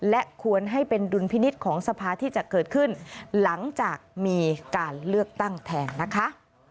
และควรให้เป็นดุลพินิษฐ์ของสภาที่จะเกิดขึ้นหลังจากมีการเลือกตั้งแทนนะคะ